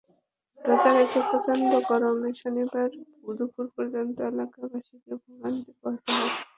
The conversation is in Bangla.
রোজা রেখে প্রচণ্ড গরমে শনিবার দুপুর পর্যন্ত এলাকাবাসীকে ভোগান্তি পোহাতে হয়।